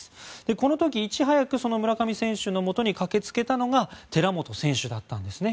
この時いち早く村上選手のもとに駆けつけたのが寺本選手だったんですね。